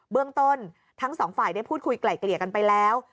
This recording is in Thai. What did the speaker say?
เรื่องต้นทั้งสองฝ่ายได้พูดคุยไกล่เกลี่ยกันไปแล้ว